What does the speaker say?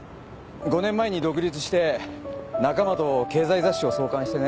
５年前に独立して仲間と経済雑誌を創刊してね。